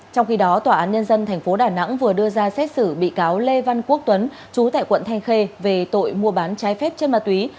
trong khi đó tòa án nhân dân tp đà nẵng vừa đưa ra xét xử bị cáo lê văn quốc tuấn chú tại quận thanh khê về tội mua bán trái phép chân ma túy